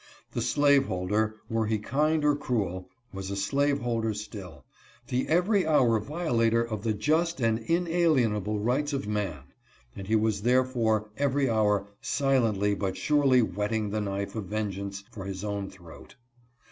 The slaveholder, were 1.90 slaveholders' position. he kind or cruel, was a slaveholder still, the every hour violator of the just and inalienable rights of man, and he was therefore every hour silently but surely whetting the "knife of vengeance for his own throat.